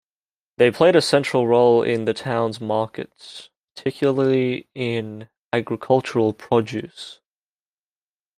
They played a central role in the town's markets, particularly in agricultural produce.